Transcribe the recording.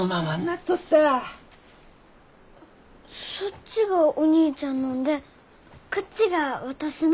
そっちがお兄ちゃんのんでこっちが私のん？